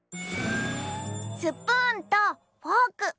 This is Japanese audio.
スプーンとフォーク